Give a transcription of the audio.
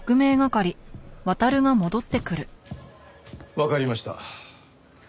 わかりました。